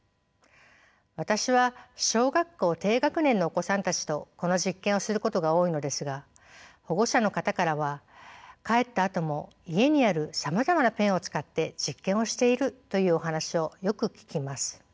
私は小学校低学年のお子さんたちとこの実験をすることが多いのですが保護者の方からは帰ったあとも家にあるさまざまなペンを使って実験をしているというお話をよく聞きます。